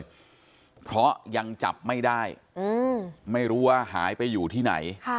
เพราะยังจับไม่ได้ไม่รู้ว่าหายไปอยู่ที่ไหน